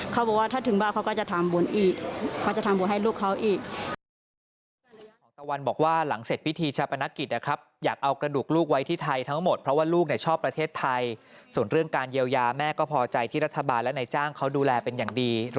เขาบอกว่าถ้าถึงบ้างเขาก็จะทำบวนอีก